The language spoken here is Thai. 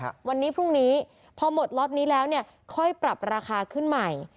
วันนี้พรุ่งนี้พอหมดล็อตนี้แล้วเนี่ยค่อยปรับราคาขึ้นใหม่